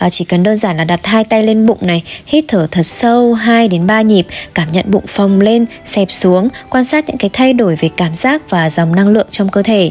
chỉ cần đơn giản là đặt hai tay lên bụng này hít thở thật sâu hai ba nhịp cảm nhận bụng phồng lên xẹp xuống quan sát những thay đổi về cảm giác và dòng năng lượng trong cơ thể